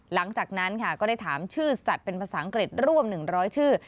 หลังจากนั้นค่ะก็ได้ถามชื่อสัตว์เป็นภาษาอังกฤษร่วม๑๐๐ชื่อ